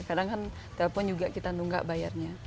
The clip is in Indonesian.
kadang kan telpon juga kita nunggak bayarnya